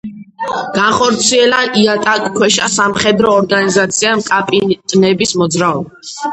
განახორციელა იატაკქვეშა სამხედრო ორგანიზაციამ „კაპიტნების მოძრაობა“.